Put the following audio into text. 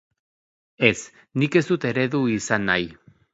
Ez, nik ez dut eredu izan nahi.